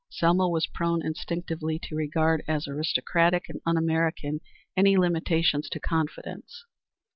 Selma was prone instinctively to regard as aristocratic and un American any limitations to confidence.